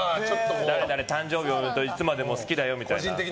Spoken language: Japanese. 誰々誕生日おめでとういつまでも好きだよみたいな。